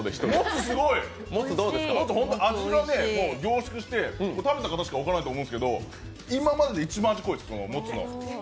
もつ、本当に味が凝縮して、食べた方しか分からないと思いますけど今までで一番、味濃いです、もつの。